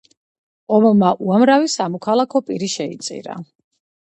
ომმა უამრავი სამოქალაქო პირი შეიწირა.